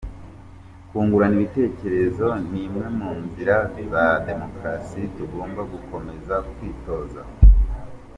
Kungurana ibitekerezo ni imwe mu nzira za demokrasi tugomba gukomeza kwitoza.